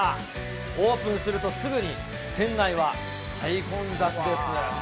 オープンするとすぐに店内は大混雑です。